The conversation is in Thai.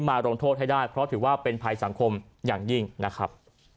มาลงโทษให้ได้เพราะถือว่าเป็นภัยสังคมอย่างยิ่งนะครับ